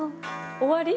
終わり？